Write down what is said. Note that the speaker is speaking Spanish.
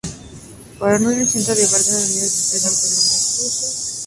Para no oír el canto del bardo, los reunidos se dispersan poniendo excusas.